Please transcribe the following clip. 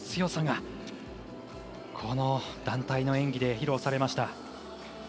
その気持ちの強さがこの団体の演技で披露されました。